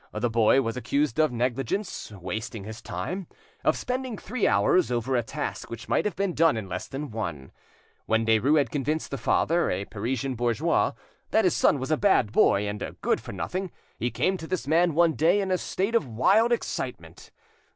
The boy was accused of negligence, wasting his time, of spending three hours over a task which might have been done in less than one. When Derues had convinced the father, a Parisian bourgeois, that his son was a bad boy and a good for nothing, he came to this man one day in a state of wild excitement.